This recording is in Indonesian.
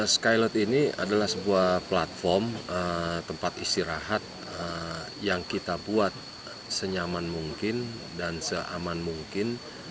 skylote ini adalah sebuah platform tempat istirahat yang kita buat senyaman mungkin dan seaman mungkin